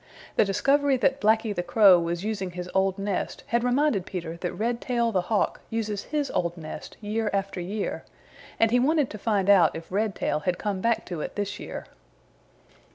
The discovery that Blacky the Crow was using his old nest had reminded Peter that Redtail the Hawk uses his old nest year after year, and he wanted to find out if Redtail had come back to it this year.